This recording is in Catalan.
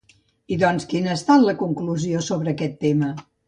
I doncs, quina ha estat la conclusió sobre aquest tema?